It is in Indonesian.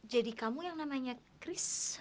kamu yang namanya chris